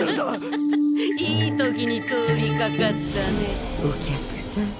いい時に通りかかったねお客さん。